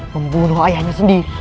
membunuh ayahnya sendiri